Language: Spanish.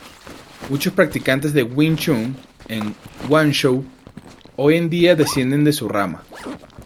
Muchos practicantes de Wing Chun en Guangzhou hoy en día descienden de su rama.